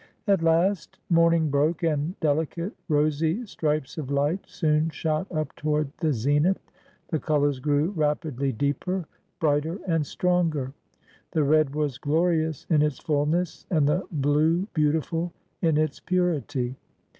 At last morning broke, and dehcate, rosy stripes of light soon shot up toward the zenith. The colors grew rapidly deeper, brighter, and stronger. The red was glo rious in its fullness and the blue beautiful in its purity.